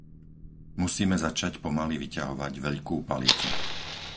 Musíme začať pomaly vyťahovať veľkú palicu.